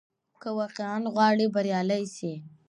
که واقعاً غواړې بریالی سې،